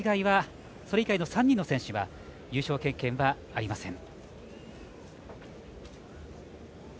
それ以外の３人の選手は優勝経験はありません。